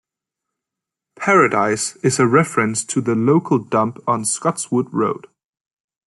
Paradise is a reference to the local dump on Scotswood Road.